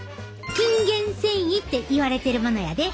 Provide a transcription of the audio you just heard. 筋原線維って言われてるものやで。